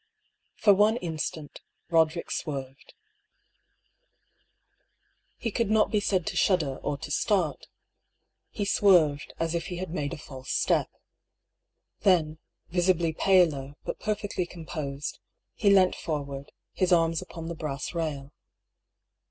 For one instant, Eoderick swerved. He could not be said to shudder, or to start — he swerved, as if he had made a false step. Then, visibly paler, but per fectly composed, he leant forward, his arms upon the brass rail.